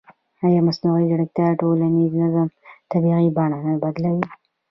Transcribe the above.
ایا مصنوعي ځیرکتیا د ټولنیز نظم طبیعي بڼه نه بدلوي؟